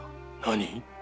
何？